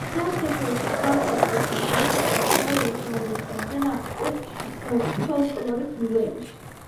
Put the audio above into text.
საერთაშორისო ქალთა წლის ფარგლებში ჩატარდა ქალური ხელოვნების გამოფენა ავსტრიის ფოლკლორის მუზეუმში.